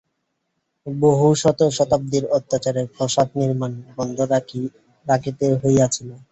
বহু শত শতাব্দীর অত্যাচারে প্রাসাদ-নির্মাণ বন্ধ রাখিতে হইয়াছিল।